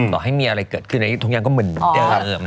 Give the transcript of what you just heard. ต่อให้มีอะไรเกิดขึ้นทุกอย่างก็เหมือนเดิม